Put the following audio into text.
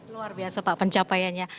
luar biasa pak pencapaiannya